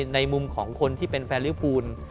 ในมุมของคนที่เป็นแฟนลิฟูล